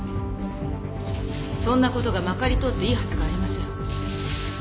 そんな事がまかり通っていいはずがありません。